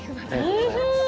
おいしい！